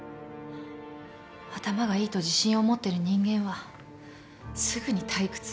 頭がいいと自信を持ってる人間はすぐに退屈する。